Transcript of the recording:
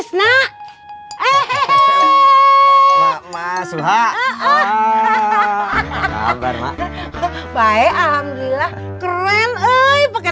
sema sama suhauh nabar mbak by alhamdulillah keren usah pake